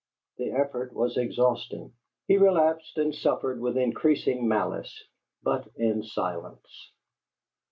The effort was exhausting: he relapsed and suffered with increasing malice but in silence.